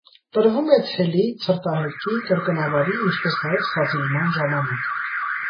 Տրվում է ցելի, ցրտահերկի, կրկնավարի, ինչպես նաև սածիլման ժամանակ։